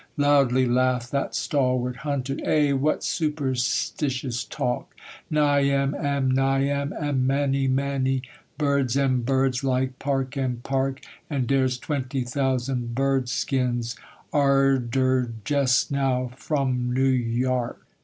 Loudly laughed that stalwart hunter 'Eh, what superstitious talk! Nyam am nyam, an' maney maney; Birds am birds, like park am park; An' dere's twenty thousand birdskins Ardered jes' now fram New Yark.'